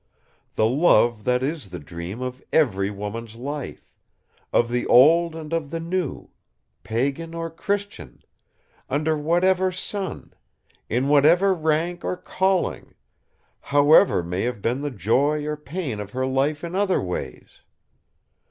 The love that is the dream of every woman's life; of the Old and of the New; Pagan or Christian; under whatever sun; in whatever rank or calling; however may have been the joy or pain of her life in other ways.